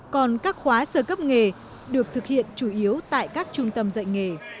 còn các khóa sơ cấp nghề được thực hiện chủ yếu tại các trung tâm dạy nghề